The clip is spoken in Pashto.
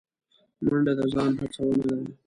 منډه د ځان هڅونه ده